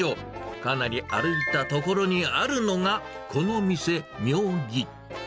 かなり歩いた所にあるのがこの店、みょうぎ。